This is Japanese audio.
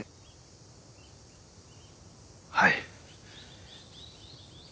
はい。